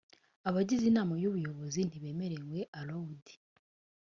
abagize inama y ubuyobozi ntibemerewe allowed